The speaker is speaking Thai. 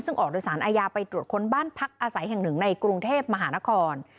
ซึ่งออกโดยสารอาญาไปตรวจค้นบ้านพักอาศัยแห่งหนึ่งในกรุงเทพมหานคร